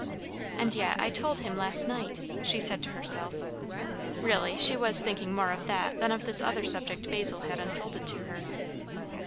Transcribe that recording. "And yet, I told him, last night!" she said to herself. Really, she was thinking more of that than of this other subject Basil had unfolded to her.